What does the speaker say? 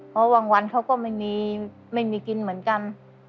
เพราะบางวันเขาก็ไม่มีกินเหมือนกัน